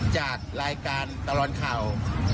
จากรายการตลอดข่าว